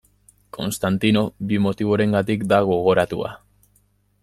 Konstantino bi motiborengatik da gogoratua.